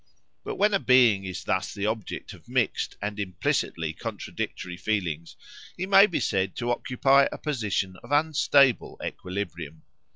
But when a being is thus the object of mixed and implicitly contradictory feelings, he may be said to occupy a position of unstable equilibrium.